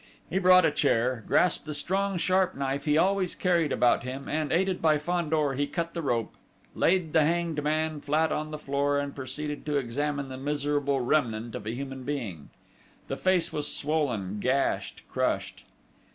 He brought a chair, grasped the strong sharp knife he always carried about him, and, aided by Fandor, he cut the rope, laid the hanged man flat on the floor, and proceeded to examine the miserable remnant of a human being. The face was swollen, gashed, crushed....